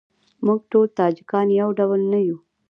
موږ ټول تاجیکان یو ډول نه یوو.